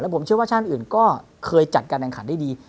ผมเชื่อว่าชาติอื่นก็เคยจัดการแข่งขันได้ดี